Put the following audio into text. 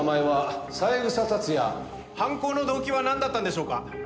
犯行の動機はなんだったんでしょうか？